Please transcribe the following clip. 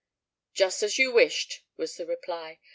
"Just as you wished," was the reply.